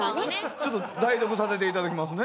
ちょっと代読させていただきますね。